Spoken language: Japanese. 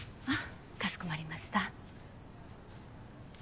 かしこまりました。